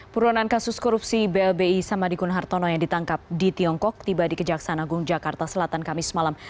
puronan kasus korupsi blbi samadikun hartono yang ditangkap di tiongkok tiba di kejaksaan agung jakarta selatan kamis malam